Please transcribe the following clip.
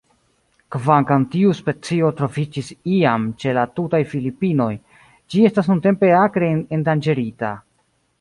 Kvankam tiu specio troviĝis iam ĉe la tutaj Filipinoj, ĝi estas nuntempe akre endanĝerita.